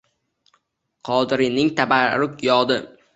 Qodiriyning tabarruk yodi